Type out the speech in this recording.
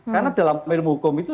karena dalam ilmu hukum itu